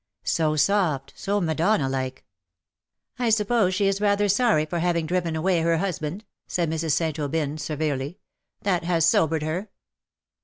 '' So soft ; so Madonna like V " I suppose she is rather sorry for having driven away her husband,^^ said Mrs. St. Aubyn, severely. " That has sobered her.''